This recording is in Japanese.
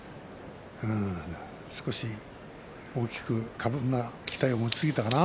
少し大きく過分な期待を持ちすぎたかな。